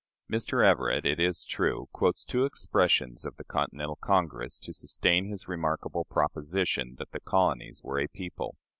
Mr. Everett, it is true, quotes two expressions of the Continental Congress to sustain his remarkable proposition that the colonies were "a people."